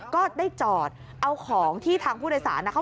ก็ได้จอดเอาของที่ทางผู้โดยสารนะคะ